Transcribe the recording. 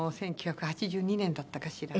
１９８２年だったかしら。